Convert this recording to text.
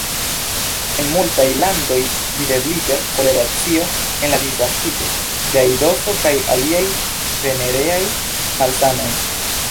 En multaj landoj videbliĝas korelacio en la disvastiĝo de aidoso kaj aliaj venereaj malsanoj.